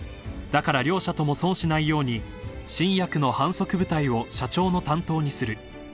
［だから両者とも損しないように新薬の販促部隊を社長の担当にする］